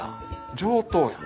上等やん。